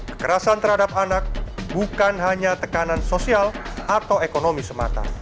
kekerasan terhadap anak bukan hanya tekanan sosial atau ekonomi semata